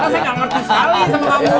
saya nggak ngerti sekali sama kamu